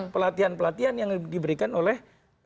pelatihan pelatihan yang diberikan oleh